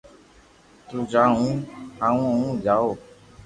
تو جا ھون ھاپو آوي جاو